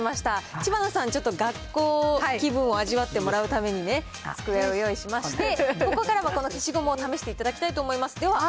知花さん、ちょっと学校気分を味わってもらうためにね、机を用意しまして、ここからもこの消しゴムを試していただきたいと思います。